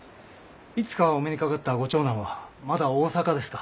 いつかお目にかかったご長男はまだ大阪ですか？